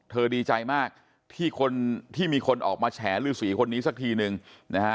เธอดีใจมากที่มีคนออกมาแฉลื้อสีคนนี้สักทีนึงนะฮะ